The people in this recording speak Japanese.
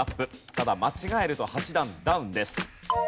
ただ間違えると８段ダウンです。